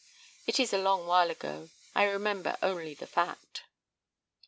It is a long while ago. I remember only the fact.